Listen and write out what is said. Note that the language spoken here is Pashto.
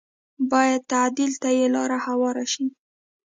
بايد تعديل ته یې لاره هواره شي